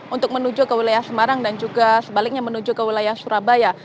untuk menuju ke wilayah semarang dan juga sebaliknya menuju ke wilayah surabaya